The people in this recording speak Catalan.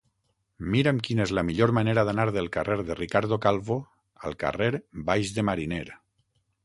Mira'm quina és la millor manera d'anar del carrer de Ricardo Calvo al carrer Baix de Mariner.